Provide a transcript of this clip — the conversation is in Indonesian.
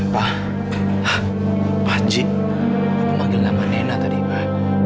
pak pak cik apa manggil nama nenek tadi pak